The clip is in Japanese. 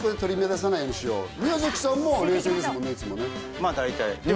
まぁ大体。